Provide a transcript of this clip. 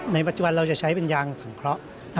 ในปัจจุบันเราจะใช้เป็นยางสังเคราะห์